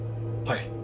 はい。